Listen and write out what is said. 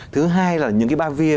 thứ hai là những cái ba via